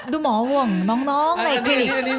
ดูหมอห่วงน้องในคลินิก